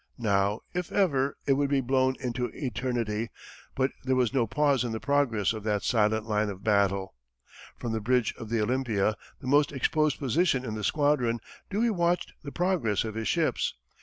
Now, if ever, it would be blown into eternity, but there was no pause in the progress of that silent line of battle. From the bridge of the Olympia, the most exposed position in the squadron, Dewey watched the progress of his ships.